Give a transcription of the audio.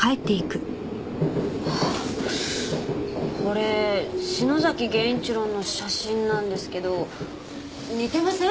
あっこれ篠崎源一郎の写真なんですけど似てません？